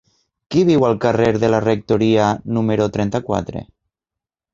Qui viu al carrer de la Rectoria número trenta-quatre?